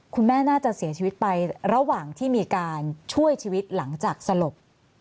คุณแม่น่าจะเสียชีวิตไประหว่างที่มีการช่วยชีวิตหลังจากสลบ